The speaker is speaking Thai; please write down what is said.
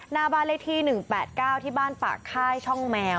นาบาระที๑๘๙ที่บ้านป่าค่ายช่องแมว